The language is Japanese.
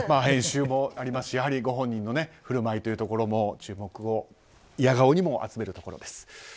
編集もありますしご本人の振る舞いというところも注目を、いやが応にも集めるところです。